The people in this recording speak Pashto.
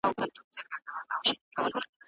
که موږ مینه ولرو، هر څه سمېږي.